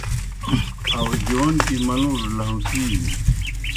آؤگِیون گیْ منُوڙوْ لہُوکِینوْ۔